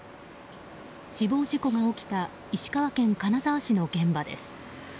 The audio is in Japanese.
死亡事故が起きた石川県金沢市の現場です。